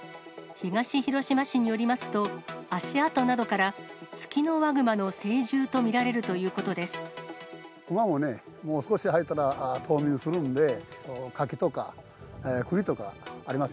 東広島市によりますと、足跡などから、ツキノワグマの成獣と見られるということです。